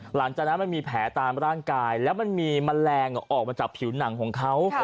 หลังจากนั้นมันมีแผลตามร่างกายแล้วมันมีแมลงออกมาจากผิวหนังของเขา